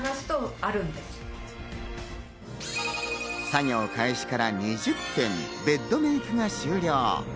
作業開始から２０分、ベッドメイクが終了。